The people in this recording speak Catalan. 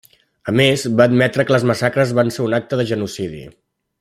A més, va admetre que les massacres van ser un acte de genocidi.